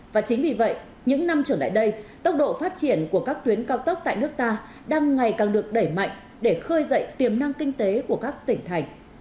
và chính vì vậy những năm trở lại đây tốc độ phát triển của các tuyến cao tốc tại nước ta đang ngày càng được đẩy mạnh để khơi dậy tiềm năng kinh tế của các tỉnh thành